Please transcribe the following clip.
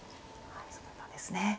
そうなんですね。